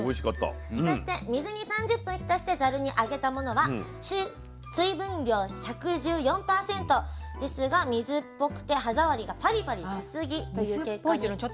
そして水に３０分浸してざるにあげたものは水分量１１４％ですが水っぽくて歯触りがパリパリしすぎという結果になりました。